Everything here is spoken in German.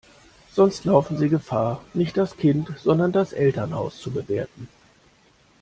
Sonst laufen sie Gefahr, nicht das Kind, sondern das Elternhaus zu bewerten.